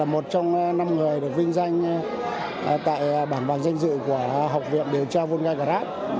một trong năm người được vinh danh tại bản bản danh dự của học viện điều tra vunga grat